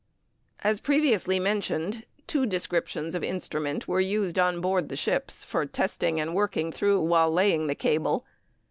_ As previously mentioned, two descriptions of instruments were used on board the ships for testing and working through while laying the cable.